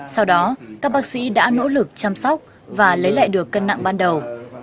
sau đó các bác sĩ đã nỗ lực chăm sóc và lấy lại được cân nặng ban đầu